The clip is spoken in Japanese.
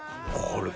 これ。